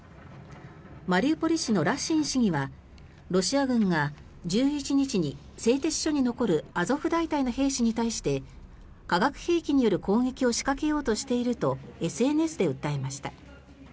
マリウポリ市のラシン市議はロシア軍が１１日に製鉄所に残るアゾフ大隊の兵士に対して化学兵器による攻撃を仕掛けようとしているとＳＮＳで訴えました。